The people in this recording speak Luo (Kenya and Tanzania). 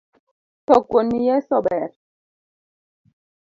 Tho kuon yeso ber.